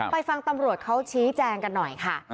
ฟังตำรวจเขาชี้แจงกันหน่อยค่ะ